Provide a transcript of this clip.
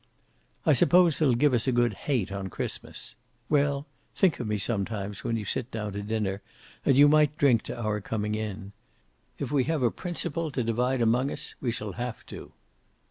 "I suppose they'll give us a good hate on Christmas. Well, think of me sometimes when you sit down to dinner, and you might drink to our coming in. If we have a principle to divide among us we shall have to."